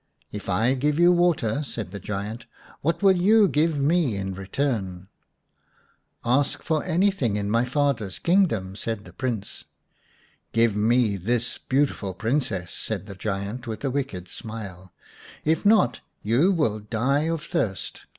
" If I give you water," said the giant, " what will you give me in return ?"" Ask for anything in my father's kingdom," said the Prince. " Give me this beautiful Princess," said the giant, with a wicked smile. " If not, you will die of thirst.